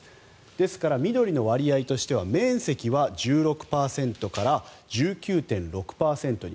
ですから、緑の割合としては面積は１６％から１９．６％に。